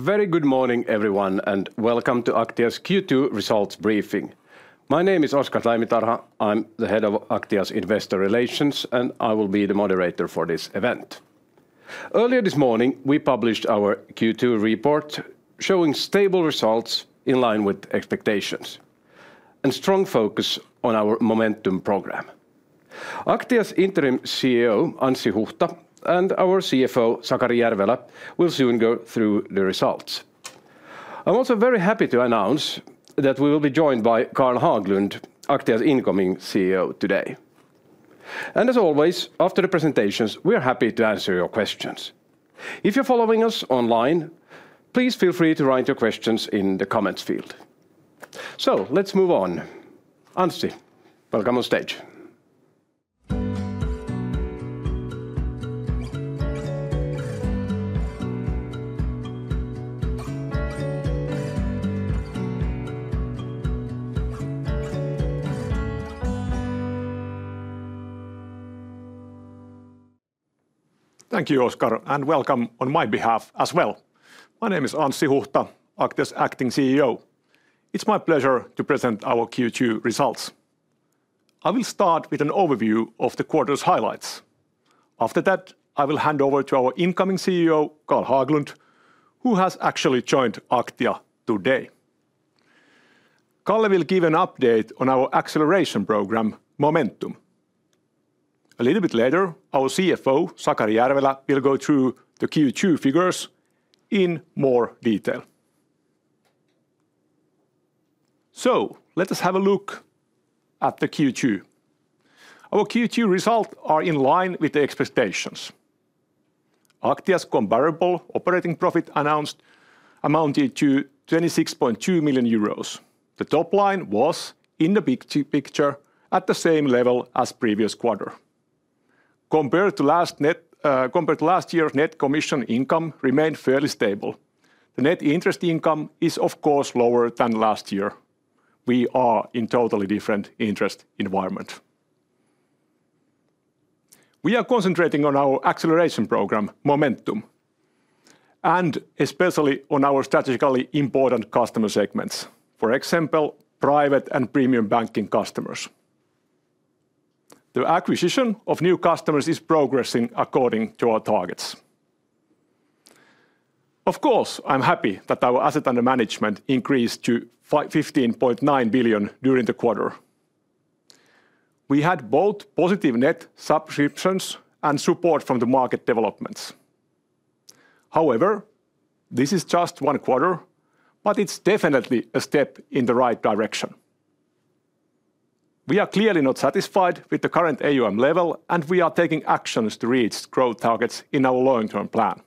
Very good morning, everyone, and welcome to Aktia's Q2 results briefing. My name is Oscar Taimitarha. I'm the Head of Aktia's Investor Relations, and I will be the moderator for this event. Earlier this morning, we published our Q2 report showing stable results in line with expectations and a strong focus on our Momentum programme. Aktia's Interim CEO, Anssi Huhta, and our CFO, Sakari Järvelä, will soon go through the results. I'm also very happy to announce that we will be joined by Carl Haglund, Aktia's incoming CEO, today. As always, after the presentations, we are happy to answer your questions. If you're following us online, please feel free to write your questions in the comments field. Let's move on. Anssi, welcome on stage. Thank you, Oscar, and welcome on my behalf as well. My name is Anssi Huhta, Aktia's Acting CEO. It's my pleasure to present our Q2 results. I will start with an overview of the quarter's highlights. After that, I will hand over to our incoming CEO, Carl Haglund, who has actually joined Aktia today. Carl will give an update on our acceleration programme, Momentum. A little bit later, our CFO, Sakari Järvelä, will go through the Q2 figures in more detail. Let us have a look at the Q2. Our Q2 results are in line with the expectations. Aktia's comparable operating profit announced amounted to 26.2 million euros. The top line was, in the big picture, at the same level as the previous quarter. Compared to last year's net commission income, it remained fairly stable. The net interest income is, of course, lower than last year. We are in a totally different interest environment. We are concentrating on our acceleration programme, Momentum, and especially on our strategically important customer segments, for example, private and premium banking customers. The acquisition of new customers is progressing according to our targets. Of course, I'm happy that our assets under management increased to 15.9 billion during the quarter. We had both positive net subscriptions and support from the market developments. However, this is just one quarter, but it's definitely a step in the right direction. We are clearly not satisfied with the current AUM level, and we are taking actions to reach growth targets in our long-term plan.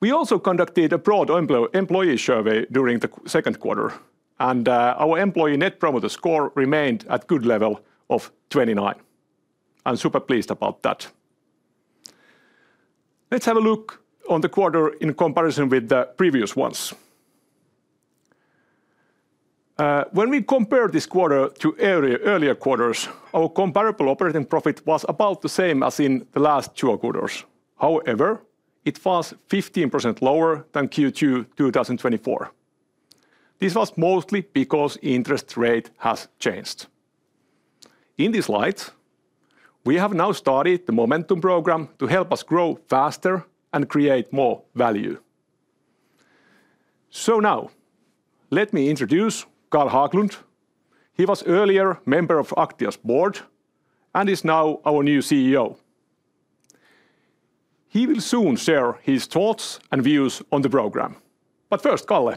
We also conducted a broad employee survey during the second quarter, and our employee net promoter score remained at a good level of 29. I'm super pleased about that. Let's have a look at the quarter in comparison with the previous ones. When we compare this quarter to earlier quarters, our comparable operating profit was about the same as in the last two quarters. However, it was 15% lower than Q2 2024. This was mostly because the interest rate has changed. In this light, we have now started the Momentum programme to help us grow faster and create more value. Now, let me introduce Carl Haglund. He was earlier a member of Aktia's board and is now our new CEO. He will soon share his thoughts and views on the programme. First, Carl,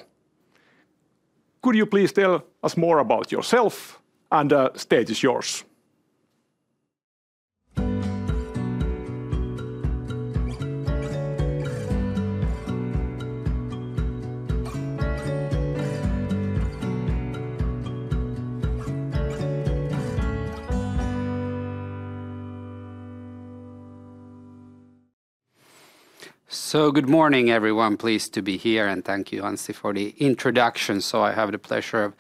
could you please tell us more about yourself and the stage is yours? Good morning, everyone. Pleased to be here, and thank you, Anssi, for the introduction. I have the pleasure of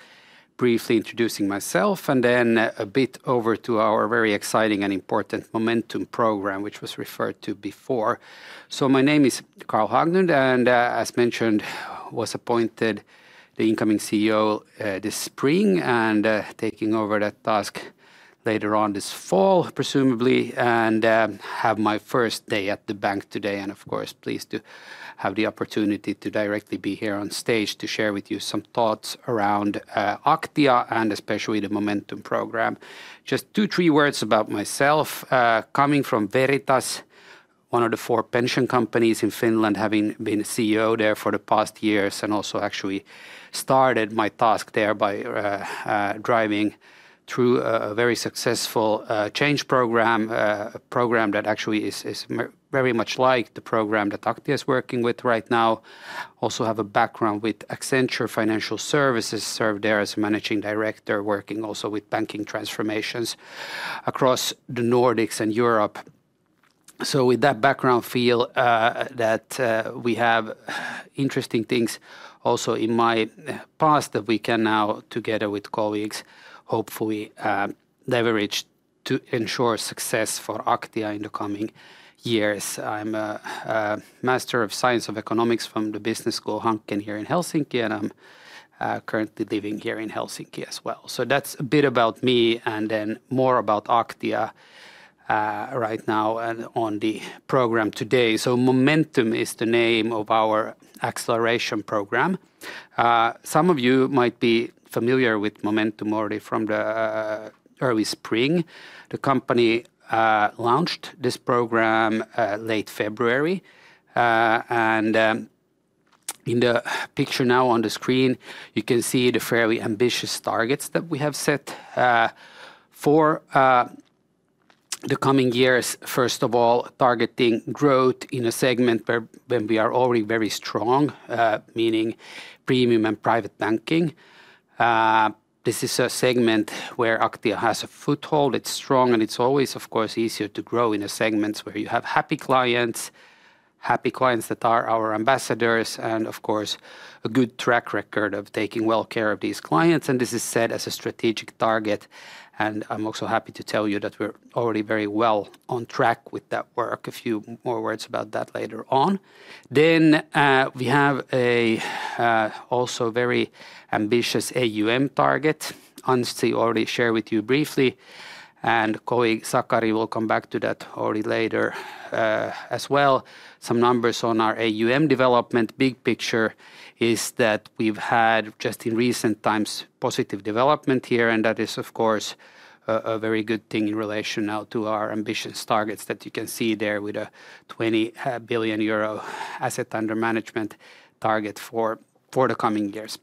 briefly introducing myself and then a bit over to our very exciting and important Momentum programme, which was referred to before. My name is Carl Haglund, and as mentioned, I was appointed the incoming CEO this spring and taking over that task later on this fall, presumably, and have my first day at the bank today. Of course, pleased to have the opportunity to directly be here on stage to share with you some thoughts around Aktia and especially the Momentum programme. Just two, three words about myself. Coming from Veritas, one of the four pension companies in Finland, having been a CEO there for the past years and also actually started my task there by driving through a very successful change programme, a programme that actually is very much like the programme that Aktia is working with right now. I also have a background with Accenture Financial Services, served there as a Managing Director, working also with banking transformations across the Nordics and Europe. With that background, I feel that we have interesting things also in my past that we can now, together with colleagues, hopefully leverage to ensure success for Aktia in the coming years. I'm a Master of Science in Economics from the Business School of Hanken here in Helsinki, and I'm currently living here in Helsinki as well. That's a bit about me and then more about Aktia right now and on the programme today. Momentum is the name of our acceleration programme. Some of you might be familiar with Momentum already from the early spring. The company launched this programme late February, and in the picture now on the screen, you can see the fairly ambitious targets that we have set for the coming years. First of all, targeting growth in a segment where we are already very strong, meaning Premium and Private Banking. This is a segment where Aktia has a foothold. It's strong, and it's always, of course, easier to grow in a segment where you have happy clients, happy clients that are our ambassadors, and of course, a good track record of taking well care of these clients. This is set as a strategic target. I'm also happy to tell you that we're already very well on track with that work. A few more words about that later on. We have also a very ambitious AUM target. Anssi already shared with you briefly, and colleague Sakari will come back to that already later as well. Some numbers on our AUM development. The big picture is that we've had, just in recent times, positive development here, and that is, of course, a very good thing in relation now to our ambitious targets that you can see there with a 20 billion euro Asset Under Management target for the coming years.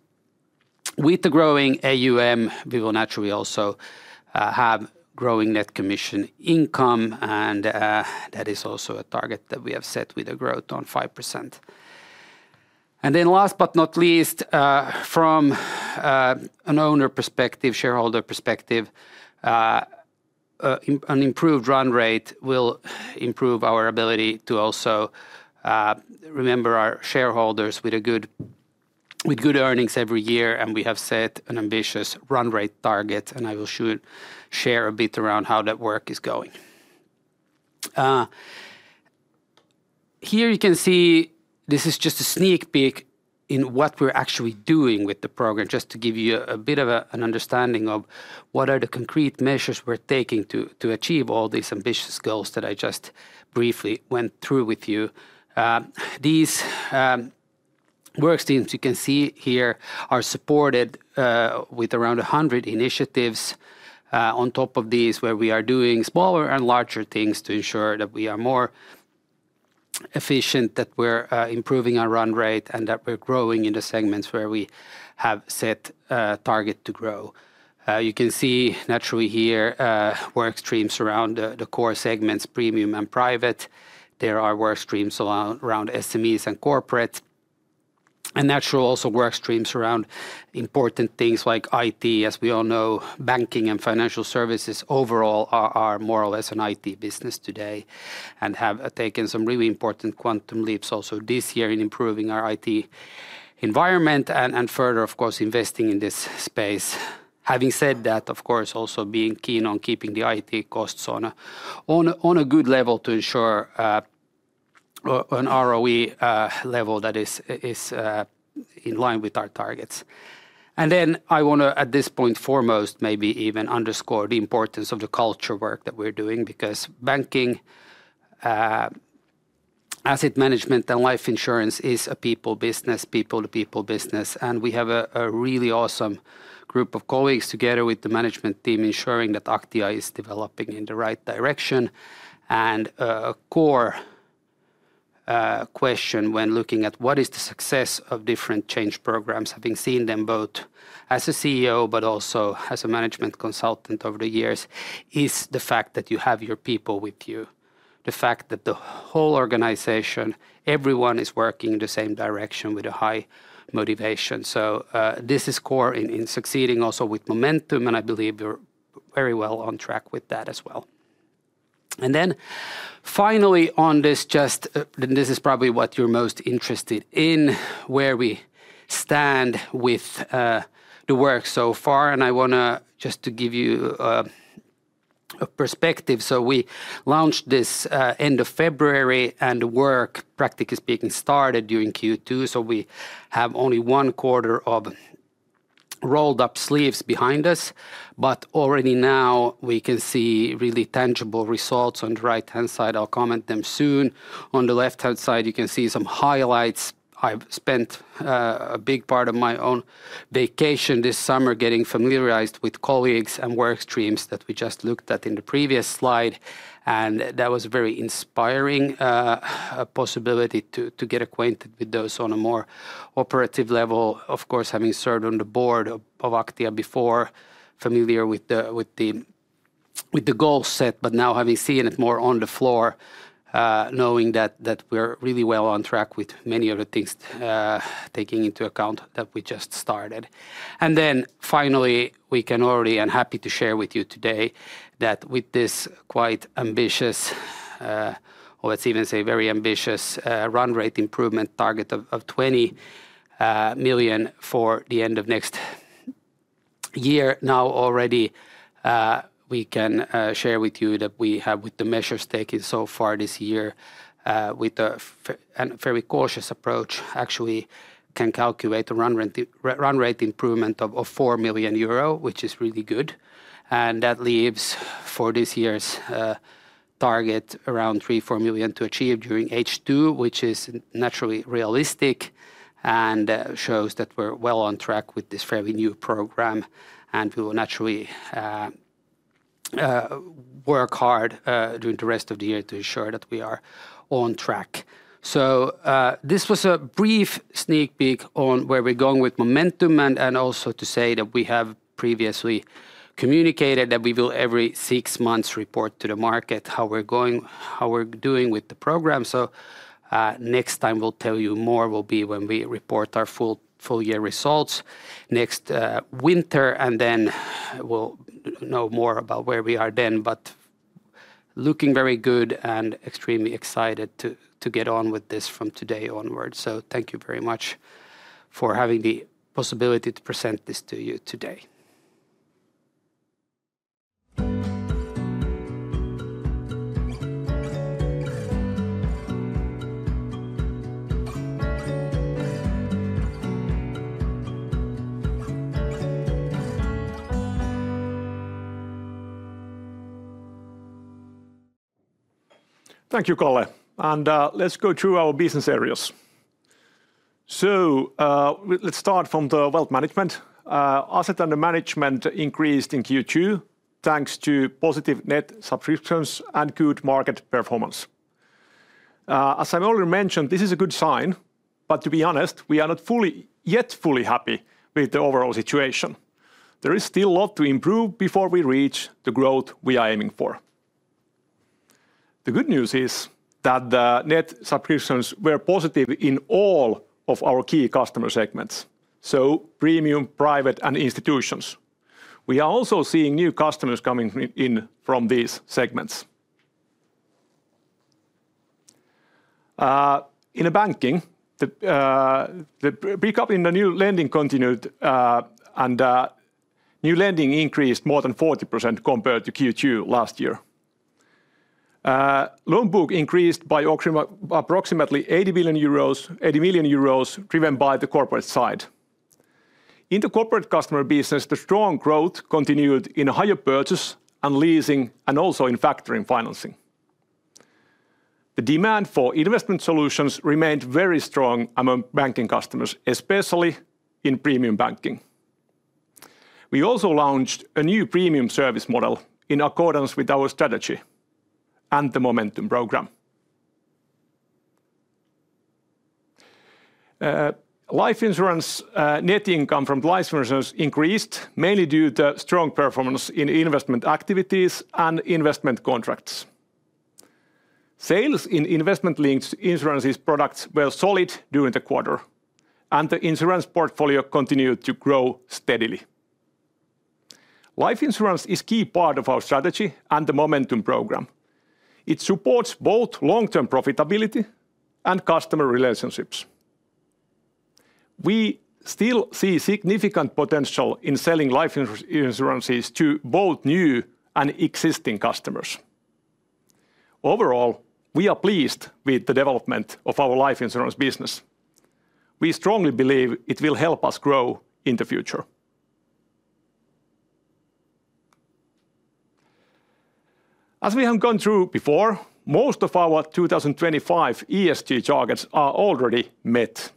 With the growing AUM, we will naturally also have growing net commission income, and that is also a target that we have set with a growth on 5%. Last but not least, from an owner perspective, shareholder perspective, an improved run rate will improve our ability to also remember our shareholders with good earnings every year. We have set an ambitious run rate target, and I will share a bit around how that work is going. Here you can see this is just a sneak peek in what we're actually doing with the programme, just to give you a bit of an understanding of what are the concrete measures we're taking to achieve all these ambitious goals that I just briefly went through with you. These workstreams you can see here are supported with around 100 initiatives. On top of these, where we are doing smaller and larger things to ensure that we are more efficient, that we're improving our run rate, and that we're growing in the segments where we have set a target to grow. You can see naturally here workstreams around the core segments, premium and private. There are workstreams around SMEs and corporates, and naturally also workstreams around important things like IT. As we all know, banking and financial services overall are more or less an IT business today and have taken some really important quantum leaps also this year in improving our IT environment and further, of course, investing in this space. Having said that, of course, also being keen on keeping the IT costs on a good level to ensure an ROE level that is in line with our targets. I want to, at this point foremost, maybe even underscore the importance of the culture work that we're doing because banking, asset management, and life insurance is a people business, people-to-people business. We have a really awesome group of colleagues together with the management team ensuring that Aktia is developing in the right direction. A core question when looking at what is the success of different change programs, having seen them both as a CEO but also as a management consultant over the years, is the fact that you have your people with you, the fact that the whole organization, everyone is working in the same direction with a high motivation. This is core in succeeding also with Momentum, and I believe you're very well on track with that as well. Finally on this, this is probably what you're most interested in, where we stand with the work so far. I want to just give you a perspective. We launched this end of February, and the work, practically speaking, started during Q2. We have only one quarter of rolled-up sleeves behind us, but already now we can see really tangible results on the right-hand side. I'll comment on them soon. On the left-hand side, you can see some highlights. I've spent a big part of my own vacation this summer getting familiarized with colleagues and workstreams that we just looked at in the previous slide. That was a very inspiring possibility to get acquainted with those on a more operative level. Of course, having served on the Board of Aktia before, familiar with the goal set, but now having seen it more on the floor, knowing that we're really well on track with many other things taking into account that we just started. Finally, we can already, I'm happy to share with you today that with this quite ambitious, or let's even say very ambitious run rate improvement target of 20 million for the end of next year, now already we can share with you that we have, with the measures taken so far this year, with a very cautious approach, actually can calculate a run rate improvement of 4 million euro, which is really good. That leaves for this year's target around 3-4 million to achieve during H2, which is naturally realistic and shows that we're well on track with this fairly new program. We will naturally work hard during the rest of the year to ensure that we are on track. This was a brief sneak peek on where we're going with Momentum and also to say that we have previously communicated that we will every six months report to the market how we're doing with the program. Next time we'll tell you more will be when we report our full-year results next winter, and then we'll know more about where we are then. Looking very good and extremely excited to get on with this from today onwards. Thank you very much for having the possibility to present this to you today. Thank you, Carl. Let's go through our business areas. Let's start from the wealth management. Assets under management increased in Q2 thanks to positive net subscriptions and good market performance. As I already mentioned, this is a good sign, but to be honest, we are not yet fully happy with the overall situation. There is still a lot to improve before we reach the growth we are aiming for. The good news is that the net subscriptions were positive in all of our key customer segments: premium, private, and institutions. We are also seeing new customers coming in from these segments. In banking, the pickup in the new lending continued, and new lending increased more than 40% compared to Q2 last year. Loan book increased by approximately 80 million euros, driven by the corporate side. In the corporate customer business, the strong growth continued in hire purchase and leasing and also in factoring financing. The demand for investment solutions remained very strong among banking customers, especially in Premium Banking. We also launched a new premium service model in accordance with our strategy and the Momentum programme. Life insurance net income from life insurance increased mainly due to strong performance in investment activities and investment contracts. Sales in investment-linked insurance products were solid during the quarter, and the insurance portfolio continued to grow steadily. Life insurance is a key part of our strategy and the Momentum programme. It supports both long-term profitability and customer relationships. We still see significant potential in selling life insurances to both new and existing customers. Overall, we are pleased with the development of our life insurance business. We strongly believe it will help us grow in the future. As we have gone through before, most of our 2025 ESG targets are already met.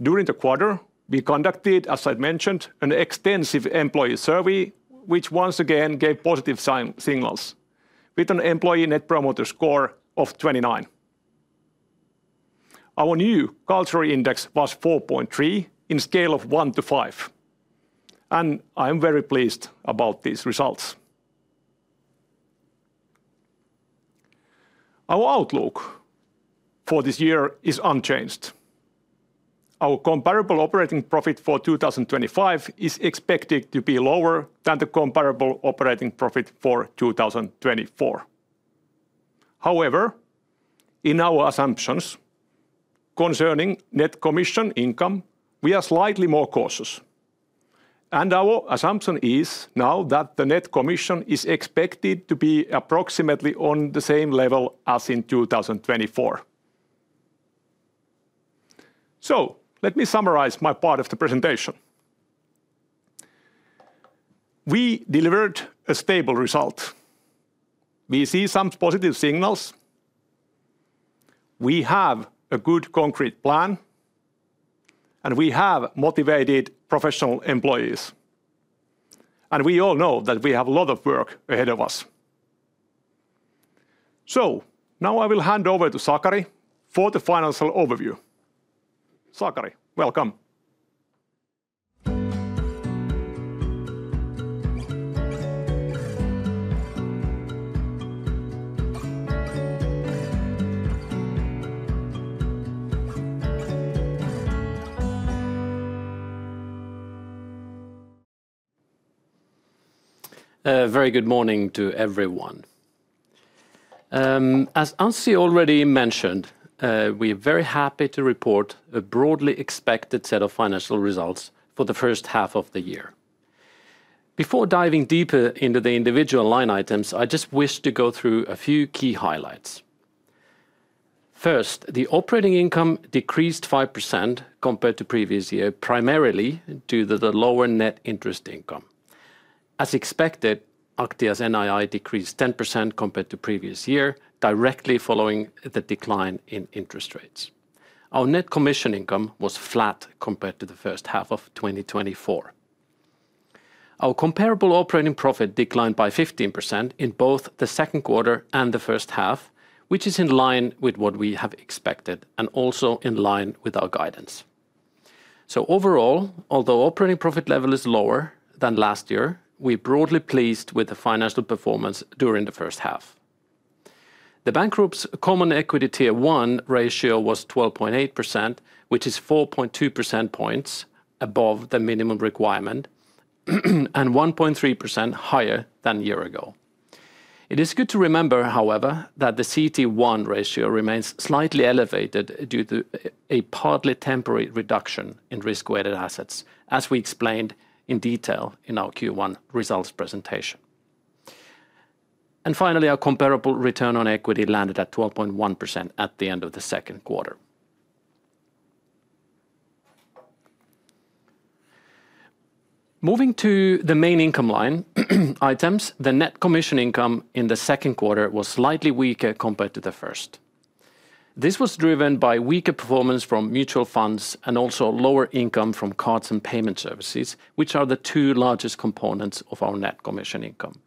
During the quarter, we conducted, as I mentioned, an extensive employee survey, which once again gave positive signals with an employee net promoter score of 29. Our new cultural index was 4.3 on a scale of 1-5. I'm very pleased about these results. Our outlook for this year is unchanged. Our comparable operating profit for 2025 is expected to be lower than the comparable operating profit for 2024. However, in our assumptions concerning net commission income, we are slightly more cautious. Our assumption is now that the net commission is expected to be approximately on the same level as in 2024. Let me summarize my part of the presentation. We delivered a stable result. We see some positive signals. We have a good concrete plan, and we have motivated professional employees. We all know that we have a lot of work ahead of us. Now I will hand over to Sakari for the financial overview. Sakari, welcome. Very good morning to everyone. As Anssi already mentioned, we're very happy to report a broadly expected set of financial results for the first half of the year. Before diving deeper into the individual line items, I just wish to go through a few key highlights. First, the operating income decreased 5% compared to the previous year, primarily due to the lower net interest income. As expected, Aktia's NII decreased 10% compared to the previous year, directly following the decline in interest rates. Our net commission income was flat compared to the first half of 2024. Our comparable operating profit declined by 15% in both the second quarter and the first half, which is in line with what we have expected and also in line with our guidance. Overall, although the operating profit level is lower than last year, we're broadly pleased with the financial performance during the first half. The bank group's Common Equity Tier 1 ratio was 12.8%, which is 4.2% points above the minimum requirement, and 1.3% higher than a year ago. It is good to remember, however, that the CET1 ratio remains slightly elevated due to a partly temporary reduction in risk-weighted assets, as we explained in detail in our Q1 results presentation. Finally, our comparable return on equity landed at 12.1% at the end of the second quarter. Moving to the main income line items, the net commission income in the second quarter was slightly weaker compared to the first. This was driven by weaker performance from mutual funds and also lower income from cards and payment services, which are the two largest components of our net commission income.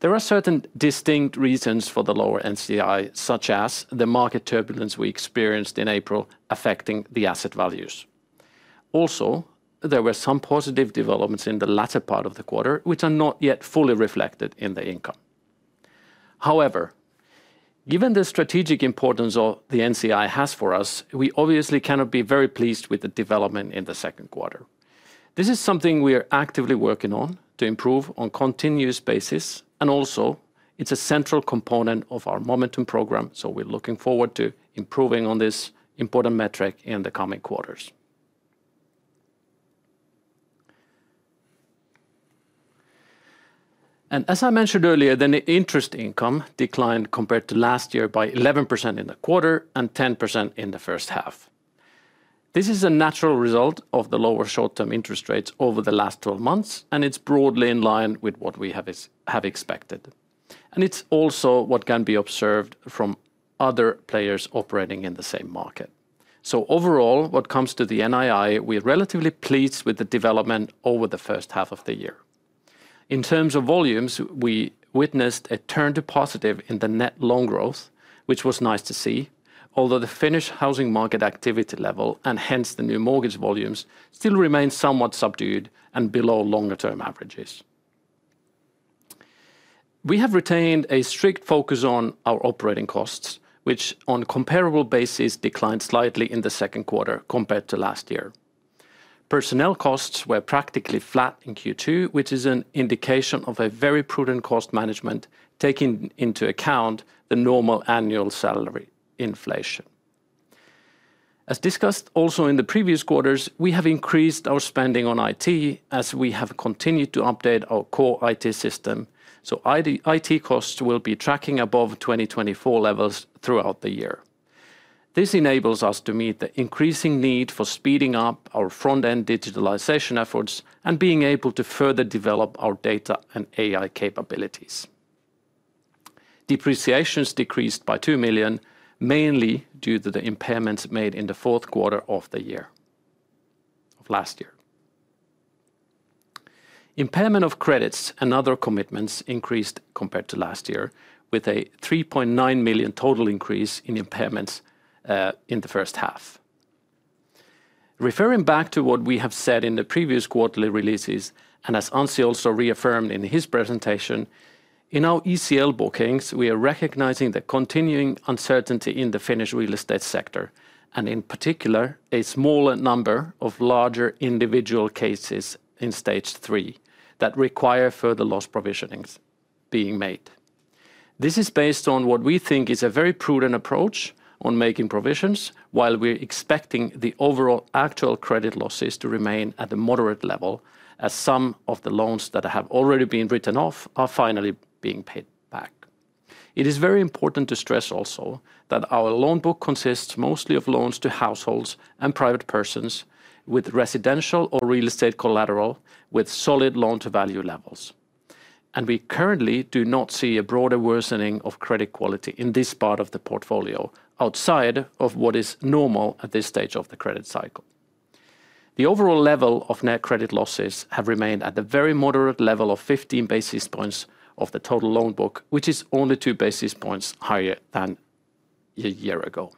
There are certain distinct reasons for the lower NCI, such as the market turbulence we experienced in April affecting the asset values. Also, there were some positive developments in the latter part of the quarter, which are not yet fully reflected in the income. However, given the strategic importance the NCI has for us, we obviously cannot be very pleased with the development in the second quarter. This is something we are actively working on to improve on a continuous basis, and also, it's a central component of our Momentum programme, so we're looking forward to improving on this important metric in the coming quarters. As I mentioned earlier, the net interest income declined compared to last year by 11% in the quarter and 10% in the first half. This is a natural result of the lower short-term interest rates over the last 12 months, and it's broadly in line with what we have expected. It's also what can be observed from other players operating in the same market. Overall, what comes to the NII, we're relatively pleased with the development over the first half of the year. In terms of volumes, we witnessed a turn to positive in the net loan growth, which was nice to see, although the Finnish housing market activity level, and hence the new mortgage volumes, still remain somewhat subdued and below longer-term averages. We have retained a strict focus on our operating costs, which on a comparable basis declined slightly in the second quarter compared to last year. Personnel costs were practically flat in Q2, which is an indication of a very prudent cost management taking into account the normal annual salary inflation. As discussed also in the previous quarters, we have increased our spending on IT as we have continued to update our core IT system. IT costs will be tracking above 2024 levels throughout the year. This enables us to meet the increasing need for speeding up our front-end digitalization efforts and being able to further develop our data and AI capabilities. Depreciations decreased by 2 million, mainly due to the impairments made in the fourth quarter of last year. Impairment of credits and other commitments increased compared to last year, with a 3.9 million total increase in impairments in the first half. Referring back to what we have said in the previous quarterly releases, and as Anssi also reaffirmed in his presentation, in our ECL bookings, we are recognizing the continuing uncertainty in the Finnish real estate sector, and in particular, a smaller number of larger individual cases in stage three that require further loss provisioning being made. This is based on what we think is a very prudent approach on making provisions, while we're expecting the overall actual credit losses to remain at the moderate level, as some of the loans that have already been written off are finally being paid back. It is very important to stress also that our loan book consists mostly of loans to households and private persons with residential or real estate collateral with solid loan-to-value levels. We currently do not see a broader worsening of credit quality in this part of the portfolio, outside of what is normal at this stage of the credit cycle. The overall level of net credit losses has remained at the very moderate level of 15 basis points of the total loan book, which is only 2 basis points higher than a year ago.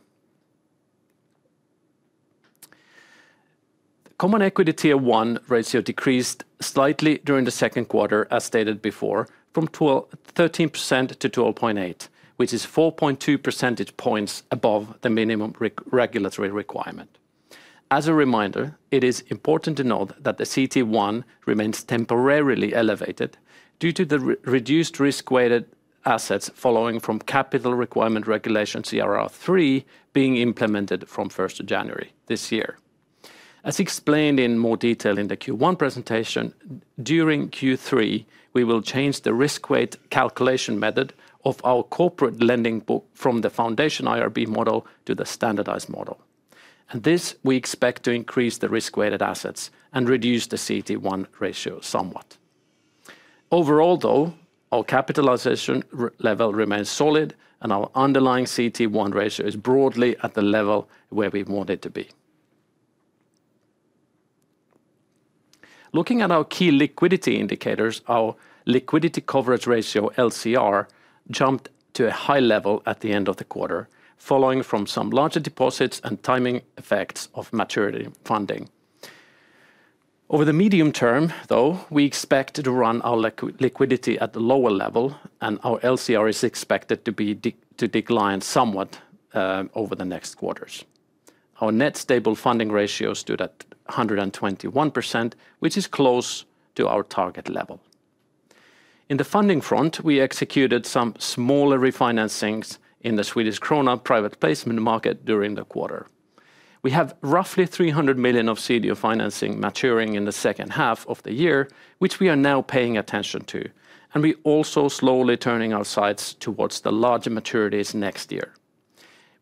Common Equity Tier 1 ratio decreased slightly during the second quarter, as stated before, from 13% to 12.8%, which is 4.2 percentage points above the minimum regulatory requirement. As a reminder, it is important to note that the CET1 remains temporarily elevated due to the reduced risk-weighted assets following from capital requirement regulation CRR3 being implemented from January 1, 2024. As explained in more detail in the Q1 presentation, during Q3, we will change the risk weight calculation method of our corporate lending book from the foundation IRB model to the standardized model. We expect this to increase the risk-weighted assets and reduce the CET1 ratio somewhat. Overall, though, our capitalization level remains solid, and our underlying CET1 ratio is broadly at the level where we want it to be. Looking at our key liquidity indicators, our liquidity coverage ratio, LCR, jumped to a high level at the end of the quarter, following from some larger deposits and timing effects of maturity funding. Over the medium term, though, we expect to run our liquidity at the lower level, and our LCR is expected to decline somewhat over the next quarters. Our net stable funding ratio stood at 121%, which is close to our target level. On the funding front, we executed some smaller refinancings in the Swedish krona private placement market during the quarter. We have roughly 300 million of CDO financing maturing in the second half of the year, which we are now paying attention to, and we're also slowly turning our sights towards the larger maturities next year.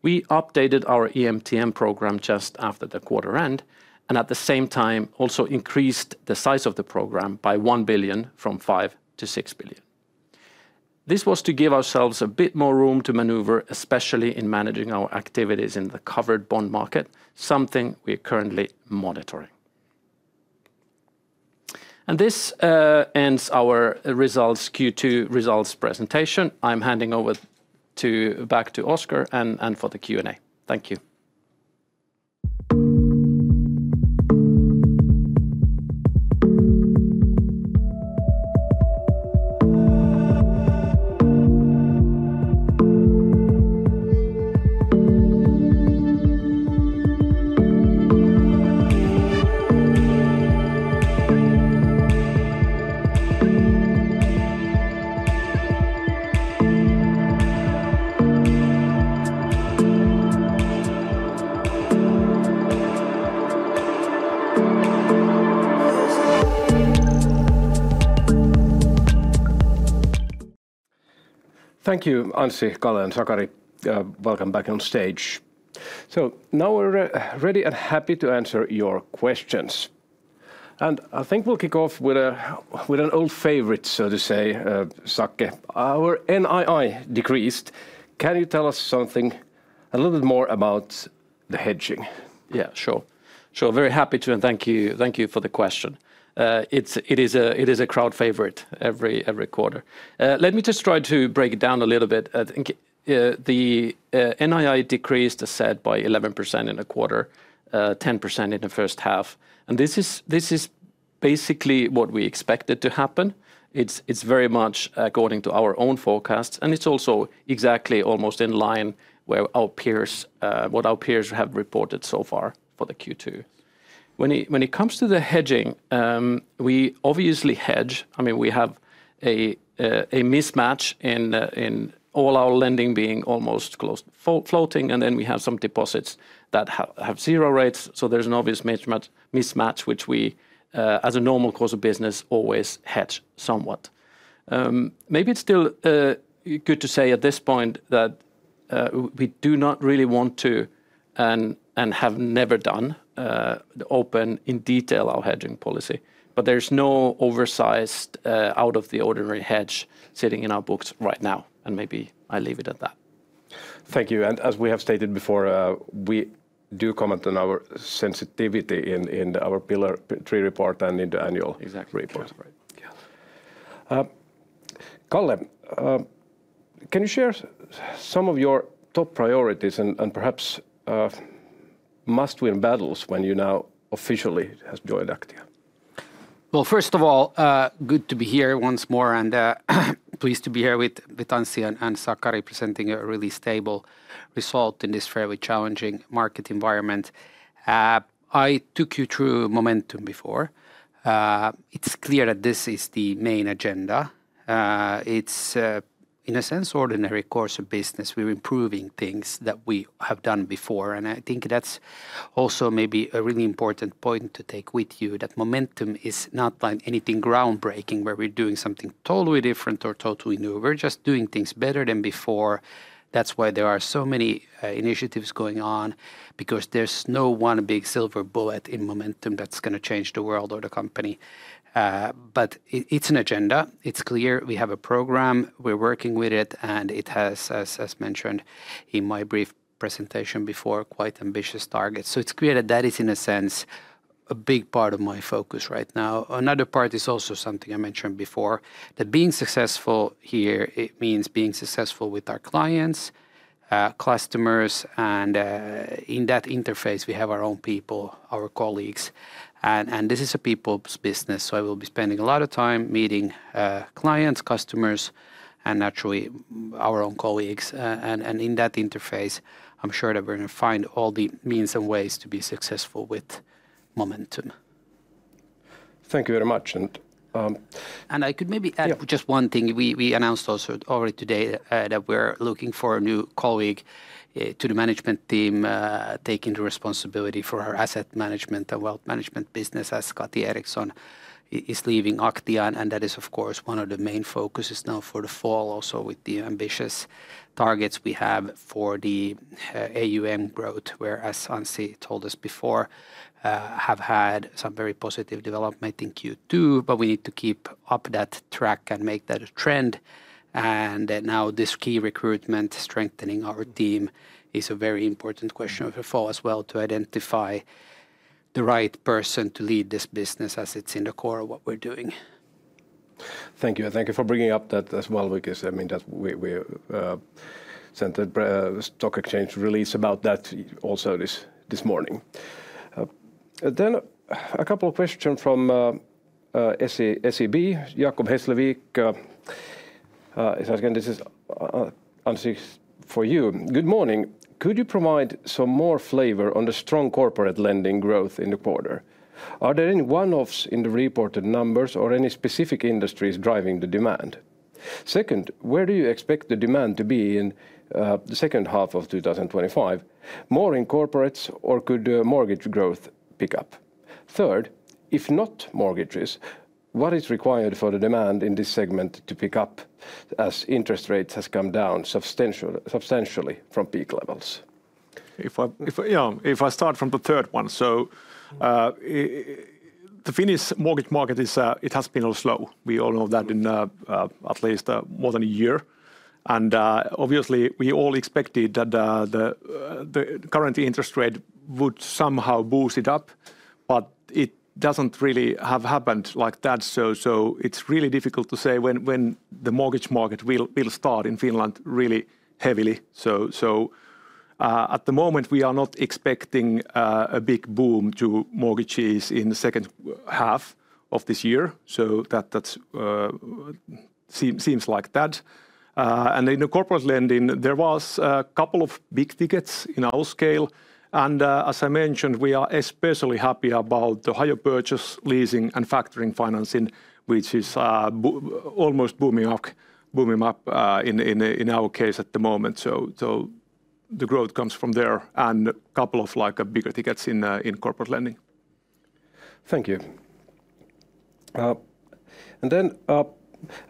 We updated our EMTN programme just after the quarter end, and at the same time, also increased the size of the programme by 1 billion from 5 billion to 6 billion. This was to give ourselves a bit more room to maneuver, especially in managing our activities in the covered bond market, something we are currently monitoring. This ends our Q2 results presentation. I'm handing over back to Oscar and for the Q&A. Thank you. Thank you, Anssi, Carl, and Sakari. Welcome back on stage. We are ready and happy to answer your questions. I think we'll kick off with an old favorite, so to say, Sakari. Our NII decreased. Can you tell us something a little bit more about the hedging? Yeah, sure. Very happy to, and thank you for the question. It is a crowd favorite every quarter. Let me just try to break it down a little bit. I think the NII decreased, as said, by 11% in the quarter, 10% in the first half. This is basically what we expected to happen. It's very much according to our own forecasts, and it's also exactly almost in line with what our peers have reported so far for Q2. When it comes to the hedging, we obviously hedge. I mean, we have a mismatch in all our lending being almost closed floating, and then we have some deposits that have zero rates. There's an obvious mismatch, which we, as a normal course of business, always hedge somewhat. Maybe it's still good to say at this point that we do not really want to and have never done the open in detail our hedging policy, but there's no oversized out-of-the-ordinary hedge sitting in our books right now, and maybe I'll leave it at that. Thank you. As we have stated before, we do comment on our sensitivity in our Pillar III Report and in the annual report. Carl, can you share some of your top priorities and perhaps must-win battles when you now officially have joined Aktia? First of all, good to be here once more and pleased to be here with Anssi and Sakari presenting a really stable result in this very challenging market environment. I took you through Momentum before. It's clear that this is the main agenda. It's, in a sense, an ordinary course of business. We're improving things that we have done before, and I think that's also maybe a really important point to take with you, that Momentum is not like anything groundbreaking where we're doing something totally different or totally new. We're just doing things better than before. That's why there are so many initiatives going on, because there's no one big silver bullet in Momentum that's going to change the world or the company. It's an agenda. It's clear we have a programme. We're working with it, and it has, as mentioned in my brief presentation before, quite ambitious targets. It's clear that that is, in a sense, a big part of my focus right now. Another part is also something I mentioned before, that being successful here, it means being successful with our clients, customers, and in that interface, we have our own people, our colleagues, and this is a people's business. I will be spending a lot of time meeting clients, customers, and naturally, our own colleagues. In that interface, I'm sure that we're going to find all the means and ways to be successful with Momentum. Thank you very much. I could maybe add just one thing. We announced also already today that we're looking for a new colleague to the management team, taking the responsibility for her asset management and wealth management business, as Kati Eriksson is leaving Aktia, and that is, of course, one of the main focuses now for the fall, also with the ambitious targets we have for the AUM growth, where, as Anssi told us before, we have had some very positive development in Q2, but we need to keep up that track and make that a trend. This key recruitment, strengthening our team, is a very important question for us as well to identify the right person to lead this business as it's in the core of what we're doing. Thank you. Thank you for bringing up that as well, because we sent a stock exchange release about that also this morning. A couple of questions from SEB, Jacob Hesslevik. This is Anssi for you. Good morning. Could you provide some more flavor on the strong corporate lending growth in the quarter? Are there any one-offs in the reported numbers or any specific industries driving the demand? Where do you expect the demand to be in the second half of 2025? More in corporates or could mortgage growth pick up? If not mortgages, what is required for the demand in this segment to pick up as interest rates have come down substantially from peak levels? If I start from the third one. The Finnish mortgage market has been slow. We all know that in at least more than a year. Obviously, we all expected that the current interest rate would somehow boost it up, but it doesn't really have happened like that. It's really difficult to say when the mortgage market will start in Finland really heavily. At the moment, we are not expecting a big boom to mortgages in the second half of this year. That seems like that. In the corporate lending, there were a couple of big tickets in our scale. As I mentioned, we are especially happy about the hire purchase, leasing, and factoring financing, which is almost booming up in our case at the moment. The growth comes from there and a couple of bigger tickets in corporate lending. Thank you.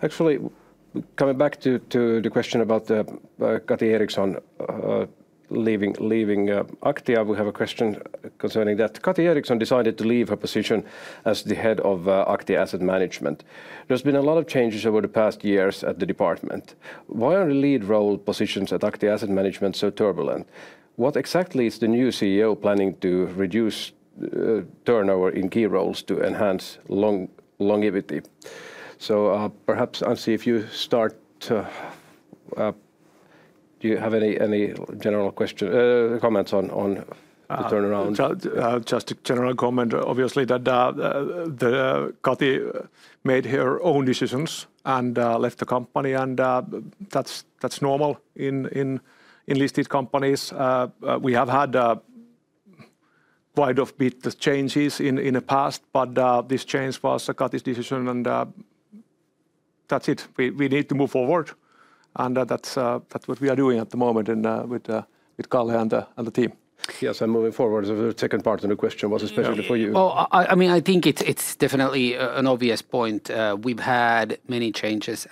Actually, coming back to the question about Kati Eriksson leaving Aktia, we have a question concerning that. Kati Eriksson decided to leave her position as the Head of Aktia asset management. There's been a lot of changes over the past years at the department. Why are the lead role positions at Aktia asset management so turbulent? What exactly is the new CEO planning to reduce turnover in key roles to enhance longevity? Perhaps, Anssi, if you start, do you have any general questions or comments on the turnaround? Just a general comment, obviously, that Kati made her own decisions and left the company, and that's normal in listed companies. We have had quite a bit of changes in the past, but this change was Kati's decision, and that's it. We need to move forward, and that's what we are doing at the moment with Carl and the team. Yes, moving forward, the second part of the question was especially for you. I think it's definitely an obvious point. We've had many changes,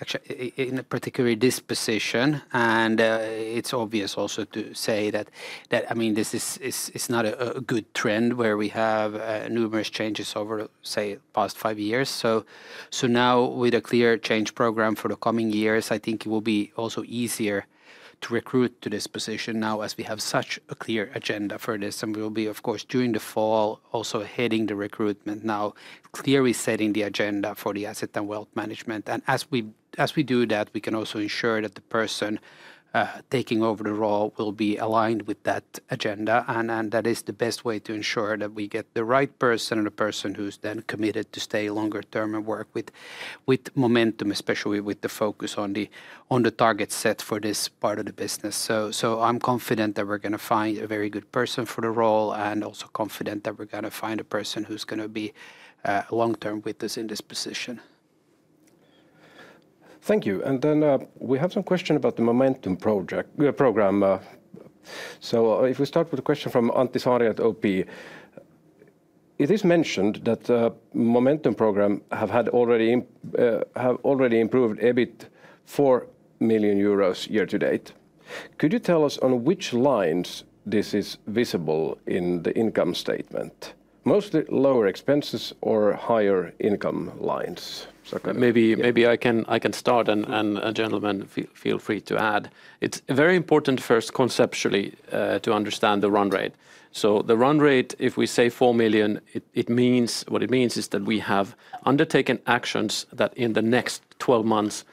particularly in this position, and it's obvious also to say that this is not a good trend where we have numerous changes over, say, the past five years. Now, with a clear change programme for the coming years, I think it will be easier to recruit to this position now as we have such a clear agenda for this. We will be, of course, during the fall, also heading the recruitment now, clearly setting the agenda for the asset and wealth management. As we do that, we can also ensure that the person taking over the role will be aligned with that agenda. That is the best way to ensure that we get the right person and the person who's then committed to stay longer term and work with Momentum, especially with the focus on the target set for this part of the business. I'm confident that we're going to find a very good person for the role and also confident that we're going to find a person who's going to be long-term with us in this position. Thank you. We have some questions about the Momentum programme. If we start with a question from Antti Saari at OP, it is mentioned that the Momentum programme has already improved a bit: 4 million euros year-to-date. Could you tell us on which lines this is visible in the income statement? Mostly lower expenses or higher income lines? Maybe I can start, and gentlemen, feel free to add. It's very important first conceptually to understand the run rate. The run rate, if we say 4 million, what it means is that we have undertaken actions that in the next 12 months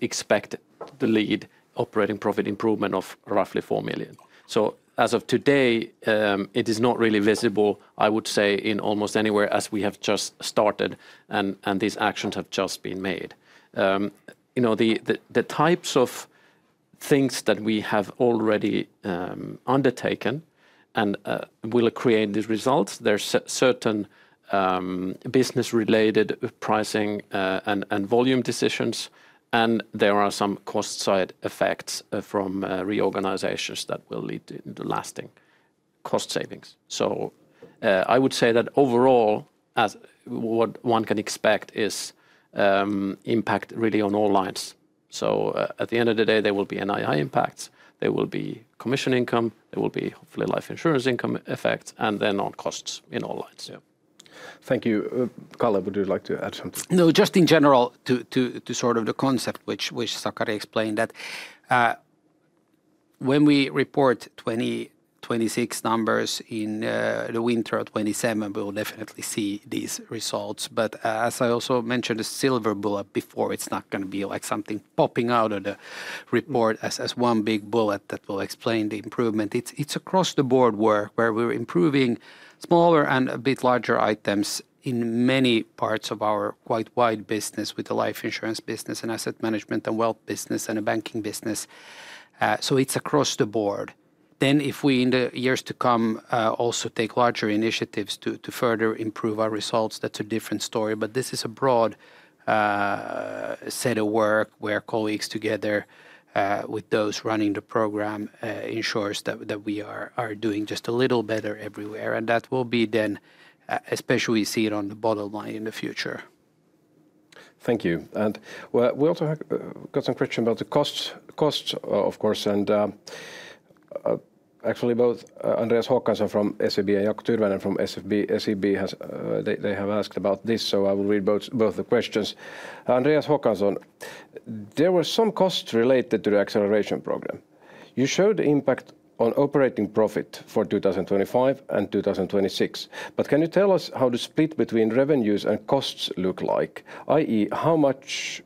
expect the lead operating profit improvement of roughly 4 million. As of today, it is not really visible, I would say, in almost anywhere as we have just started and these actions have just been made. The types of things that we have already undertaken and will create these results, there are certain business-related pricing and volume decisions, and there are some cost-side effects from reorganizations that will lead to lasting cost savings. I would say that overall, what one can expect is impact really on all lines. At the end of the day, there will be NII impacts, there will be commission income, there will be hopefully life insurance income effects, and then on costs in all lines. Thank you. Carl, would you like to add something? No, just in general to sort of the concept which Sakari explained, that when we report 2026 numbers in the winter of 2027, we will definitely see these results. As I also mentioned, a silver bullet before, it's not going to be like something popping out of the report as one big bullet that will explain the improvement. It's across the board where we're improving smaller and a bit larger items in many parts of our quite wide business with the life insurance business and asset management and wealth business and the banking business. It's across the board. If we, in the years to come, also take larger initiatives to further improve our results, that's a different story. This is a broad set of work where colleagues together with those running the Momentum programme ensure that we are doing just a little better everywhere. That will be then, especially seen on the bottom line in the future. Thank you. We also got some questions about the costs, of course. Actually, both Andreas Håkansson from SEB and Jaakko Tyrväinen from SEB have asked about this. I will read both the questions. Andreas Håkansson, there were some costs related to the acceleration programme. You showed the impact on operating profit for 2025 and 2026. Can you tell us how the split between revenues and costs looks like, i.e., how much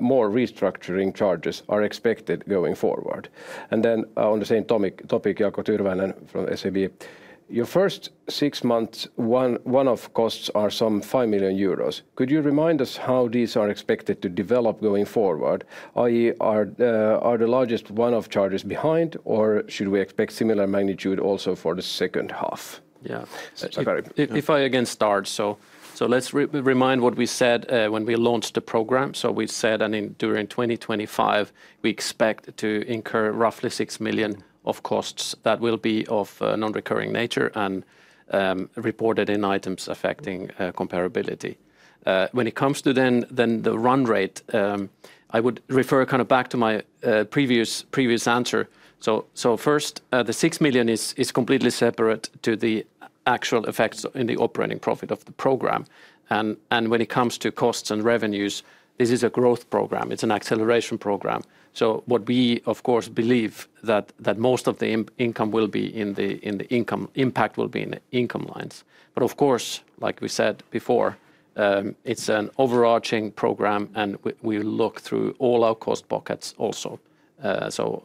more restructuring charges are expected going forward? On the same topic, Jaakko Tyrväinen from SEB, your first six months' one-off costs are some 5 million euros. Could you remind us how these are expected to develop going forward, i.e., are the largest one-off charges behind, or should we expect similar magnitude also for the second half? Yeah, if I again start. Let's remind what we said when we launched the programme. We said that during 2025, we expect to incur roughly 6 million of costs that will be of non-recurring nature and reported in items affecting comparability. When it comes to the run rate, I would refer back to my previous answer. First, the 6 million is completely separate to the actual effects in the operating profit of the programme. When it comes to costs and revenues, this is a growth programme. It's an acceleration programme. What we, of course, believe is that most of the income will be in the income impact, will be in the income lines. Of course, like we said before, it's an overarching programme, and we will look through all our cost pockets also.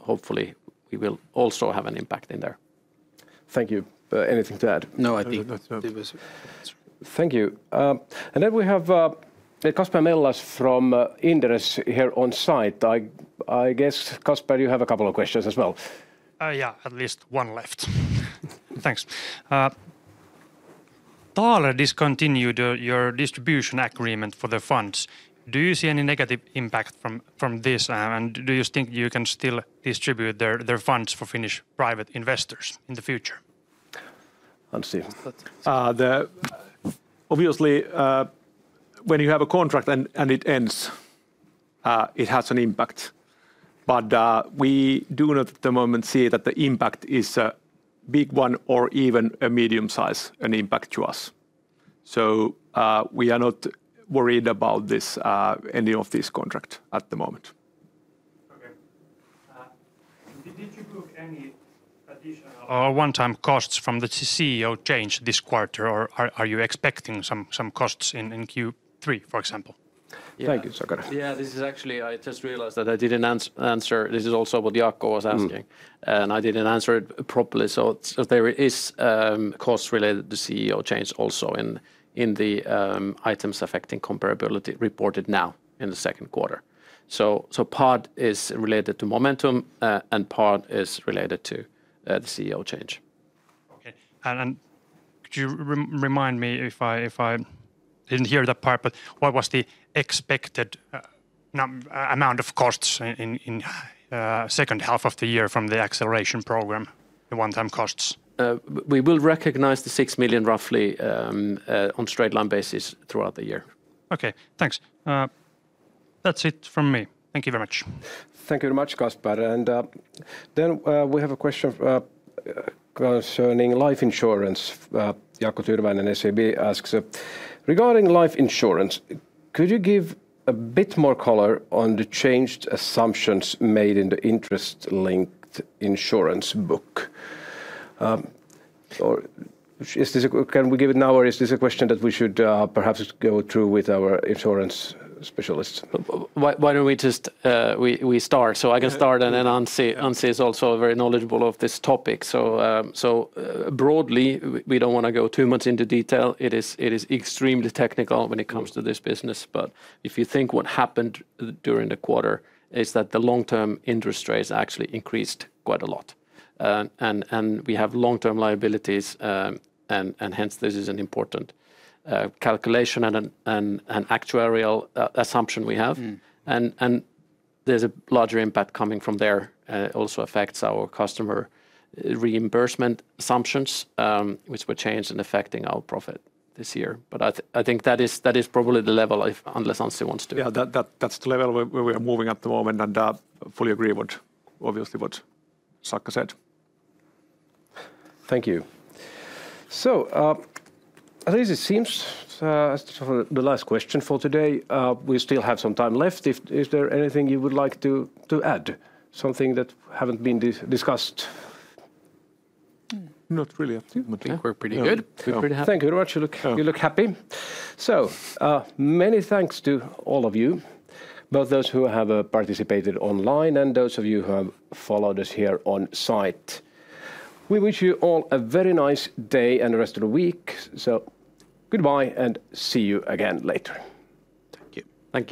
Hopefully, we will also have an impact in there. Thank you. Anything to add? No, I think that's it. Thank you. We have Kasper Mellas from Inderes here on site. I guess, Kasper, you have a couple of questions as well. Yeah, at least one left. Thanks.Taler discontinued your distribution agreement for the funds. Do you see any negative impact from this, and do you think you can still distribute their funds for Finnish private investors in the future? Anssi. Obviously, when you have a contract and it ends, it has an impact. We do not at the moment see that the impact is a big one or even a medium size impact to us. We are not worried about any of these contracts at the moment. One-time costs from the CEO change this quarter. Are you expecting some costs in Q3, for example? I just realized that I didn't answer. This is also what Jaakko was asking, and I didn't answer it properly. There is cost related to CEO change also in the items affecting comparability reported now in the second quarter. Part is related to Momentum, and part is related to the CEO change. Okay. Could you remind me if I didn't hear that part, what was the expected amount of costs in the second half of the year from the acceleration programme, the one-time costs? We will recognize the 6 million roughly on a straight line basis throughout the year. Okay, thanks. That's it from me. Thank you very much. Thank you very much, Kasper. We have a question concerning life insurance. Jaakko Tyrväinen from SEB asks, regarding life insurance, could you give a bit more color on the changed assumptions made in the interest-linked insurance book? Can we give it now, or is this a question that we should perhaps go through with our insurance specialists? Why don't we just start? I can start, and Anssi is also very knowledgeable of this topic. Broadly, we don't want to go too much into detail. It is extremely technical when it comes to this business. If you think what happened during the quarter is that the long-term interest rates actually increased quite a lot. We have long-term liabilities, and hence this is an important calculation and an actuarial assumption we have. There's a larger impact coming from there. It also affects our customer reimbursement assumptions, which were changed and affecting our profit this year. I think that is probably the level, unless Anssi wants to. Yeah, that's the level where we are moving at the moment, and fully agree with, obviously, what Sakari said. Thank you. I think this seems as the last question for today. We still have some time left. Is there anything you would like to add? Something that hasn't been discussed? Not really. I think we're pretty good. Thank you very much. You look happy. Many thanks to all of you, both those who have participated online and those of you who have followed us here on site. We wish you all a very nice day and the rest of the week. Goodbye and see you again later. Thank you. Thank you.